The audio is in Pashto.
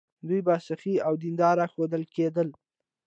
دوی به سخي او دینداره ښودل کېدل.